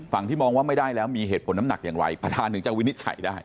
ที่มองว่าไม่ได้แล้วมีเหตุผลน้ำหนักอย่างไรประธานถึงจะวินิจฉัยได้